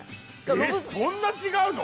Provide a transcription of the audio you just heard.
えっそんな違うの？